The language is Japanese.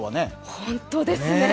本当ですね！